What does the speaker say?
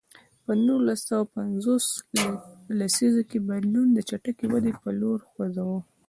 په نولس سوه پنځوس لسیزه کې بدلون د چټکې ودې په لور خوځاوه.